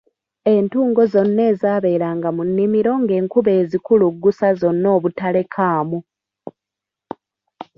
Entungo zonna ezaabeeranga mu nnimiro ng'enkuba ezikuluggusa zonna obutalekaamu.